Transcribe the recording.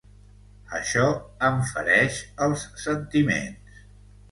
Això em fereix els sentiments.